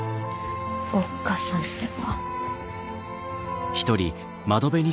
おっ母さんってば。